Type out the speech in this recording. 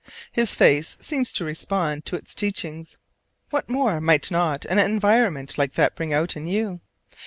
His face seems to respond to its teachings. What more might not an environment like that bring out in you?